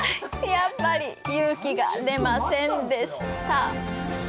やっぱり勇気が出ませんでした。